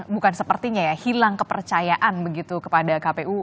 bukan sepertinya ya hilang kepercayaan begitu kepada kpu